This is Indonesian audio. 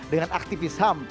dengan aktivis ham